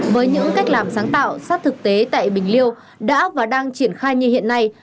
với những cách làm sáng tạo sát thực tế tại bình liêu đã và đang triển khai như hiện nay